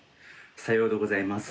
さようでございます。